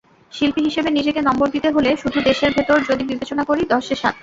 শিল্পী হিসেবে নিজেকে নম্বর দিতে হলেশুধু দেশের ভেতর যদি বিবেচনা করি, দশে সাত।